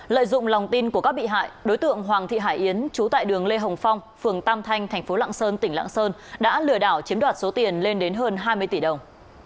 lợi dụng lòng tin của các bị hại đối tượng hoàng thị hải yến trú tại đường lê hồng phong phường tam thanh thành phố lạng sơn tỉnh lạng sơn đã lừa đảo chiếm đoạt số tiền lên đến hơn hai mươi tỷ đồng